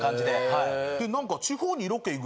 はい。